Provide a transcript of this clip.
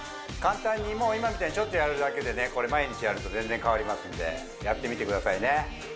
簡単にもう今みたいにちょっとやるだけでねこれ毎日やると全然変わりますんでやってみてくださいね